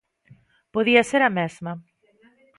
Podía ser a mesma.